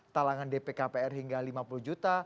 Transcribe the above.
talangan dp kpr hingga lima puluh juta